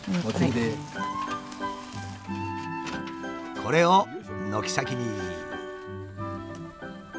これを軒先に。